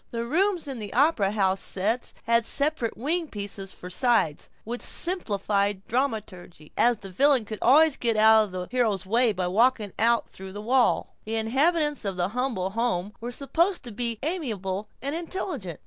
The rooms in the op'ra house sets had separate wing pieces for sides, which simplified dramaturgy, as the villain could always get out of the hero's way by walking out through the wall. The inhabitants of the Humble Home were supposed to be amiable and intelligent.